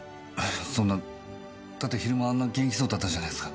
そんなだって昼間あんな元気そうだったじゃないすか。